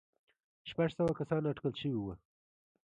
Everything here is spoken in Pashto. شپږ سوه کسان اټکل شوي وو.